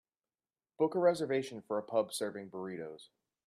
Book a reservation for a pub serving burritos